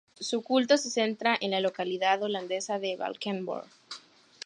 Su culto se centra en la localidad holandesa de Valkenburg.